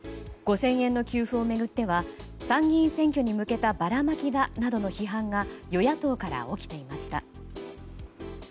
５０００円の給付を巡っては参議院選挙に向けたばらまきだなどの批判が与野党から起きていました。